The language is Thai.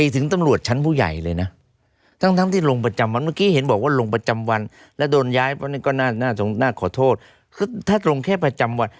ถึงตำรวจชั้นผู้ใหญ่เลยนะทั้งที่ลงประจำวันเมื่อกี้เห็นบอกว่าลงประจำวันแล้วโดนย้ายวันนี้ก็น่าขอโทษคือถ้าตรงแค่ประจำวัน